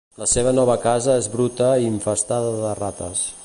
La seva nova casa és bruta i infestada de rates.